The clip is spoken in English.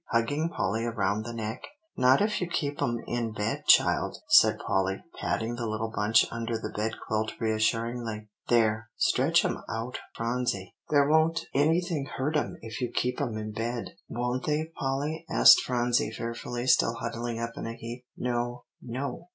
hugging Polly around the neck. "Not if you keep 'em in bed, child," said Polly, patting the little bunch under the bed quilt reassuringly; "there, stretch 'em out, Phronsie; there won't anything hurt 'em if you keep 'em in bed." "Won't they, Polly?" asked Phronsie fearfully, still huddling up in a heap. "No, no!